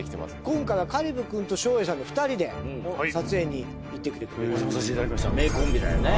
今回は香里武君と照英さんの２人で撮影に行ってきてくれましたお邪魔させていただきましたハハハ